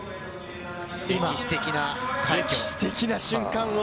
歴史的な快挙。